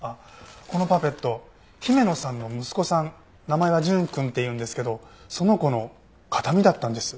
このパペット姫野さんの息子さん名前は純くんっていうんですけどその子の形見だったんです。